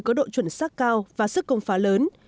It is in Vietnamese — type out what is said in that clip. có độ chuẩn xác cao và sức công phá lớn